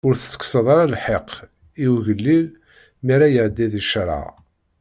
Ur tettekkseḍ ara lḥeqq i ugellil mi ara iɛeddi di ccṛeɛ.